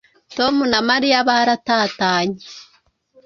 Tom na Mariya baratatanye